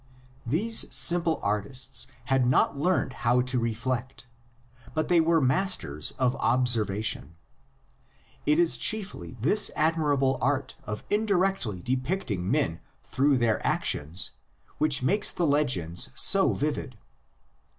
These simple artists had not learned how to reflect; but they were masters of observation. It is chiefly this admirable art of indirectly depicting men through their actions which makes the legends so vivid.